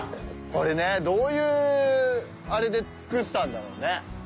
これねどういうあれで造ったんだろうね？